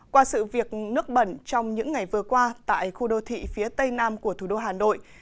qua sự việc nước bẩn trong những ngày vừa qua tại khu đô thị phía tây nam của thủ đô hà nội